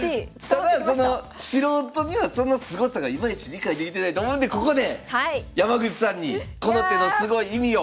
ただその素人にはそのすごさがいまいち理解できてないと思うんでここで山口さんにこの手のすごい意味を。